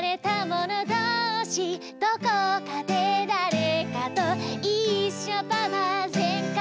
「どこかでだれかといっしょパワーゼンカイ！」